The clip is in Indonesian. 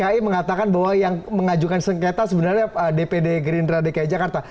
jadi saya mengatakan bahwa yang mengajukan sengketa sebenarnya dpd green drive dki jakarta